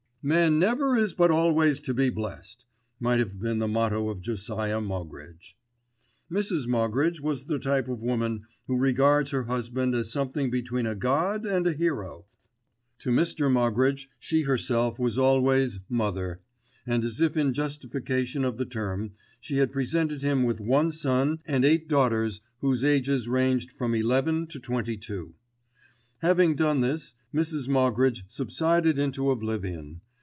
"Man never is but always to be blest," might have been the motto of Josiah Moggridge. Mrs. Moggridge was the type of woman who regards her husband as something between a god and a hero. To Mr. Moggridge she herself was always "Mother," and as if in justification of the term, she had presented him with one son, and eight daughters, whose ages ranged from eleven to twenty two. Having done this Mrs. Moggridge subsided into oblivion.